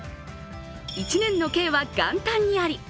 一年の計は元旦にあり。